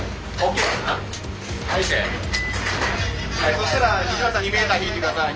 そしたら２メーター引いて下さい。